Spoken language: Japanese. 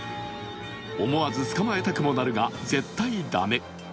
思わず捕まえたくもなるが絶対だめ。